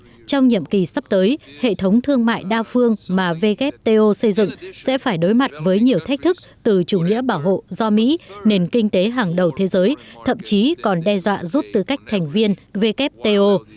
rằng trong thời gian tới hệ thống thương mại đa phương mà vkto xây dựng sẽ phải đối mặt với nhiều thách thức từ chủ nghĩa bảo hộ do mỹ nền kinh tế hàng đầu thế giới thậm chí còn đe dọa rút tư cách thành viên vkto